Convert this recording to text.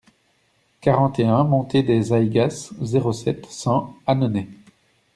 quarante et un montée des Aygas, zéro sept, cent, Annonay